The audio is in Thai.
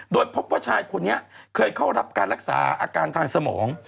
โดยพบว่าชายคนนี้เคยเข้ารับการรักษาอาการทางสมอง